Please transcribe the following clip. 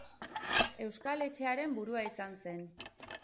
Euskal Etxearen burua izan zen.